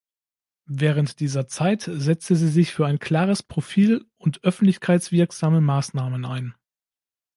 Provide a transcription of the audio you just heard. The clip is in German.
Während dieser Zeit setzte sie sich für ein klares Profil und öffentlichkeitswirksame Maßnahmen ein.